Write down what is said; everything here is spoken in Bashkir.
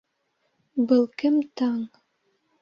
Был кем таң...